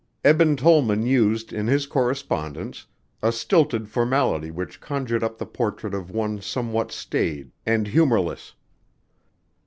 Eben Tollman used, in his correspondence, a stilted formality which conjured up the portrait of one somewhat staid and humorless.